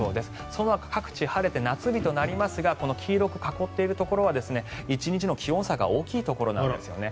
そのほか、各地晴れて夏日となりますがこの黄色く囲っているところは１日の気温差が大きいところなんですよね。